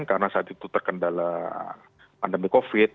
karena saat itu terkendala pandemi covid sembilan belas